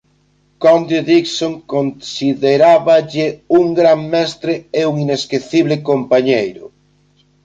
Conde Dixon consideráballe "un gran mestre e un inesquecible compañeiro".